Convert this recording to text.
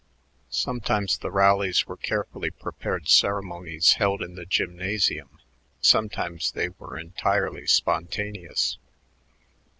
Sometimes the rallies were carefully prepared ceremonies held in the gymnasium; sometimes they were entirely spontaneous.